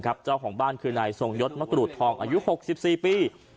ครับเจ้าของบ้านคือนายทรงยศมกรุฑทองอายุหกสิบสี่ปี